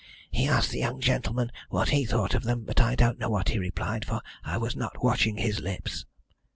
He asked the young gentleman what he thought of them, but I don't know what he replied, for I was not watching his lips.